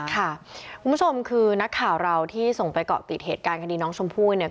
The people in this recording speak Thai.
ค่ะคุณผู้ชมคือนักข่าวเราที่ส่งไปเกาะปิดเกณฑ์คณีน้องทรมพู้นะ